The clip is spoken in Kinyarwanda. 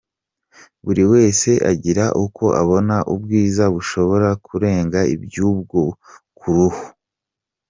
Buri wese agira uko abona ubwiza bushobora kurenga iby’ubwo ku ruhu.